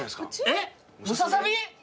えっムササビ？